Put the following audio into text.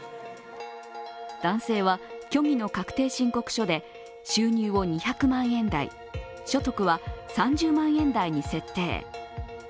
男性は虚偽の確定申告書で収入を２００万円台所得は３０万円台に設定。